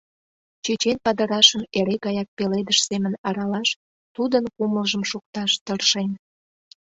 Чечен падырашым эре гаяк пеледыш семын аралаш, тудын кумылжым шукташ тыршен.